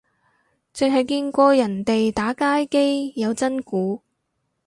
剩係見過人哋打街機有真鼓